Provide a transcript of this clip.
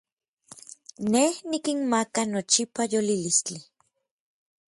Nej nikinmaka nochipa yolilistli.